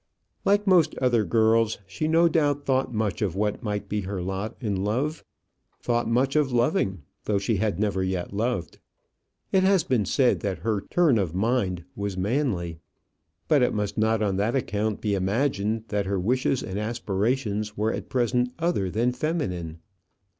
Like most other girls, she no doubt thought much of what might be her lot in love thought much of loving, though she had never yet loved. It has been said that her turn of mind was manly; but it must not on that account be imagined that her wishes and aspirations were at present other than feminine.